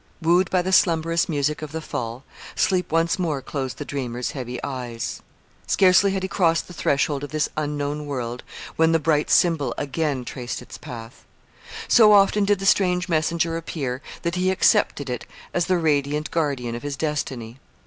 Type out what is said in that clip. Wooed by the slumberous music of the fall, sleep once more closed the dreamer's heavy eyes. Scarcely had he crossed the threshold of this unknown world when the bright symbol again traced its path. So often did the strange messenger appear that he accepted it as the radiant guardian of his destiny.